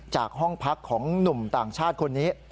จากห้องพักของหนุ่มต่างชาติคนนี้